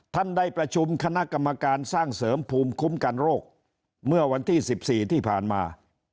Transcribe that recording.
ท่านได้ประชุมคณะกรรมการสร้างเสริมภูมิคุ้มกันโรคเมื่อวันที่๑๔ที่ผ่านมา